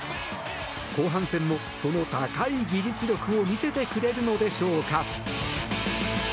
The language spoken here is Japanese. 後半戦も、その高い技術力を見せてくれるのでしょうか。